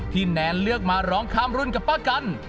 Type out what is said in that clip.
แนนเลือกมาร้องข้ามรุ่นกับป้ากัน